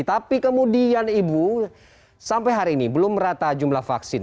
tapi kemudian ibu sampai hari ini belum merata jumlah vaksin